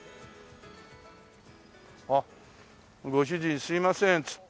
あっご主人すいません釣ってる中ね。